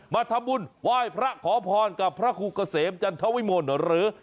มาทำบุญไหว้พระขอพรกับพระครูเกษมจันทวิมลหรือ